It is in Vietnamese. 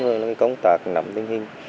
rồi nó mới công tác nắm tinh hình